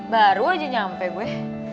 baru aja nyampe gue